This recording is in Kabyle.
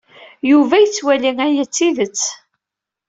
Yuba yettwali aya d tidet.